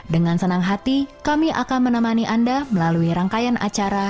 dengan senang hati kami akan menemani anda melalui rangkaian acara